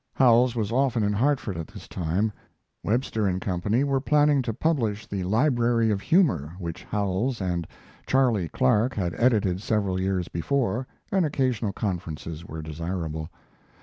Howells was often in Hartford at this time. Webster & Co. were planning to publish The Library of Humor, which Howells and "Charley" Clark had edited several years before, and occasional conferences were desirable.